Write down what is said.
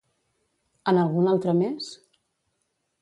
En algun altre més?